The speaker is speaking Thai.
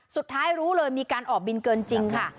สุดท้ายรู้เลยมีการออกบินเกินจริงค่ะ